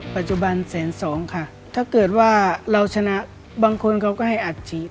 แฟนแสนสองค่ะถ้าเกิดว่าเราชนะบางคนเขาก็ให้อัดฉีด